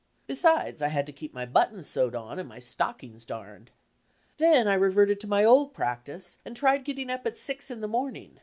Besides, I had to keep my buttons sewed on and my stockings darned. Then I revened to my old practice, and tried getting up at six in the mom* ing.